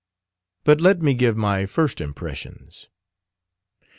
But let me give my first impressions.